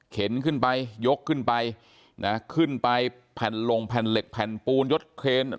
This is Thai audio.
ขึ้นไปยกขึ้นไปนะขึ้นไปแผ่นลงแผ่นเหล็กแผ่นปูนยดเครน